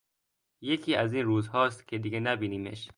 یکی از این روزهاست که دیگه نبینیمش...